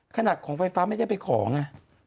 ขนาดของไฟฟ้าไม่ได้ไปของ